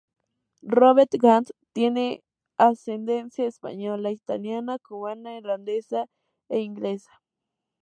Robert Gant tiene ascendencia española, italiana, cubana, irlandesa e inglesa.